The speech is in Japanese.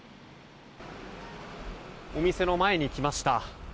お店の前に来ました。